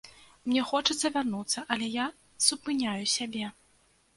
Мне хочацца вярнуцца, але я супыняю сябе.